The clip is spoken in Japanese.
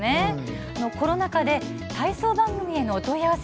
コロナ禍で体操番組へのお問い合わせ